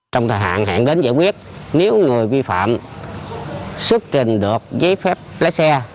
trong thời hạn hẹn đến giải quyết nếu người vi phạm xuất trình được giấy phép lấy xe